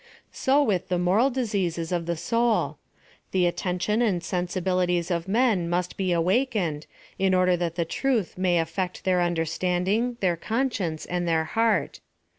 So with the moral diseases of the soul ; the attention and sensibilities of men must be awakened, in order that the truth may affect their understanding, their conscience, and their heart.